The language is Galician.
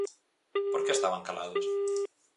Por que estaban calados?